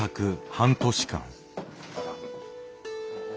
半年間。